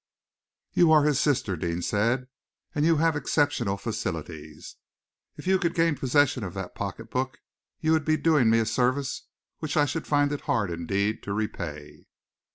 "You are his sister," Deane said, "and you have exceptional facilities. If you could gain possession of that pocket book, you would be doing me a service which I should find it hard indeed to repay."